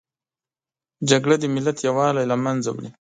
جګړه د ملت یووالي له منځه وړي